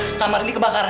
setamar ini kebakaran